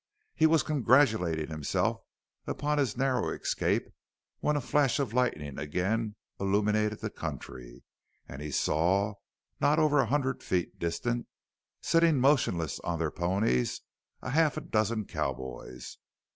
He was congratulating himself upon his narrow escape when a flash of lightning again illuminated the country and he saw, not over a hundred feet distant, sitting motionless on their ponies, a half dozen cowboys.